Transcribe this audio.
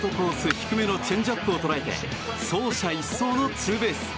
低めのチェンジアップを捉えて走者一掃のツーベース。